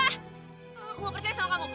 aku gak percaya sama kamu